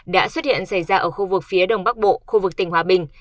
đã xuất hiện xảy ra ở khu vực phía đông bắc bộ khu vực tỉnh hòa bình